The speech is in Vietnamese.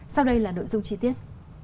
sau đây là nội dung chi tiết